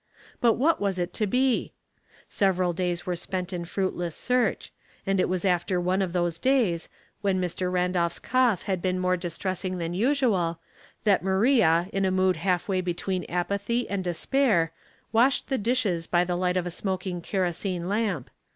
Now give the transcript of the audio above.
But what was it to be? Several days were spent in fruitless search; and it was after one of those days, when Mr. Randolph's congh had been more distressing than usual, that Maria in a mood half way between apathy and despair, washed the dishes by the light of a smoking kerosene lamp.